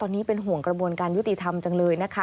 ตอนนี้เป็นห่วงกระบวนการยุติธรรมจังเลยนะคะ